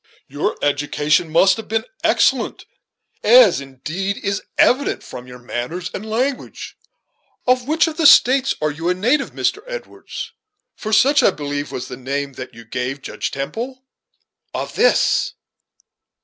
Your education must have been excellent; as indeed is evident from your manners and language. Of which of the States are you a native, Mr. Edwards? for such, I believe, was the name that you gave Judge Temple." "Of this."